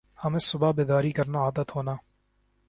ہمیں صبح بیداری کرنا عادت ہونا